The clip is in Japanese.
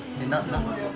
何ですか？